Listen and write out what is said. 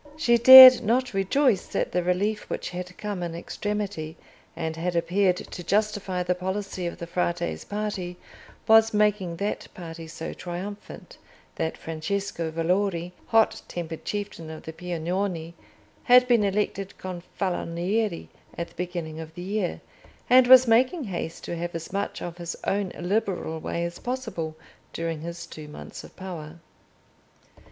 She dared not rejoice that the relief which had come in extremity and had appeared to justify the policy of the Frate's party was making that party so triumphant, that Francesco Valori, hot tempered chieftain of the Piagnoni, had been elected Gonfaloniere at the beginning of the year, and was making haste to have as much of his own liberal way as possible during his two months of power.